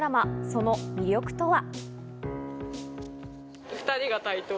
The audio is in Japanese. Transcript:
その魅力とは？